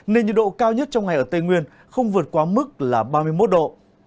nên nhiệt độ cao nhất trong ngày ở tây nguyên không vượt quá mức là ba mươi một độ